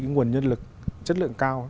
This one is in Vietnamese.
nguồn nhân lực chất lượng cao